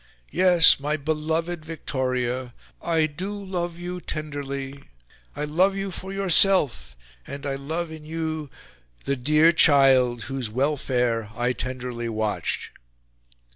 Yes, my beloved Victoria! I DO LOVE YOU TENDERLY... I love you FOR YOURSELF, and I love in you the dear child whose welfare I tenderly watched."